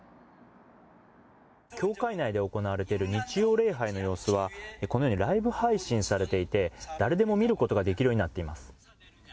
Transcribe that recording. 教会内で行われている日曜礼拝の様子は、このようにライブ配信されていて、誰でも見ることができるようになっています。